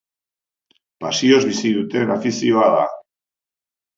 Pasioz bizi duten afizioa da.